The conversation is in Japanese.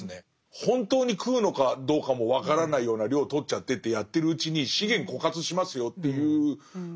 本当に食うのかどうかも分からないような量をとっちゃってってやってるうちに資源枯渇しますよっていう。